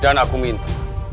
dan aku minta